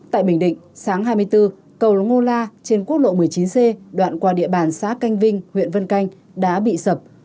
tại bình định sáng hai mươi bốn cầu rô la trên quốc lộ một mươi chín c đoạn qua địa bàn xã canh vinh huyện vân canh đã bị sập